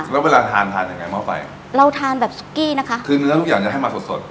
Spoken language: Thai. แล้วเวลาทานทานยังไงหม้อไฟเราทานแบบซุกกี้นะคะคือเนื้อทุกอย่างจะให้มาสดสด